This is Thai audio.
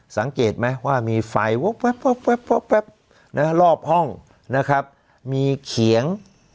สังเกตไหมว่ามีไฟรอบห้องนะครับมีเขียง